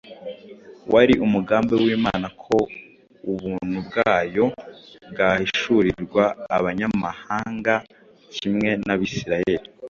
Wari umugambi w’Imana ko ubuntu bwayo bwahishurirwa abanyamahanga kimwe n’Abisirayeli.